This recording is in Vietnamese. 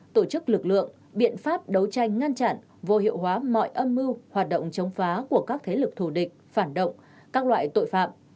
tổ chức lực lượng biện pháp đấu tranh ngăn chặn vô hiệu hóa mọi âm mưu hoạt động chống phá của các thế lực thù địch phản động các loại tội phạm